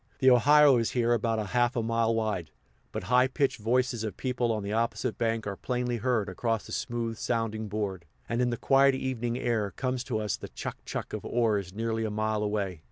The Ohio is here about half a mile wide, but high pitched voices of people on the opposite bank are plainly heard across the smooth sounding board; and in the quiet evening air comes to us the "chuck chuck" of oars nearly a mile away.